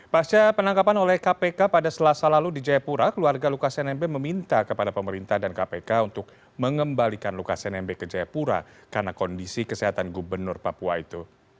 pasca penangkapan oleh kpk pada selasa lalu di jayapura keluarga lukas nmb meminta kepada pemerintah dan kpk untuk mengembalikan lukas nmb ke jayapura karena kondisi kesehatan gubernur papua itu